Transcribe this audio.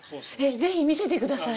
ぜひ見せてください！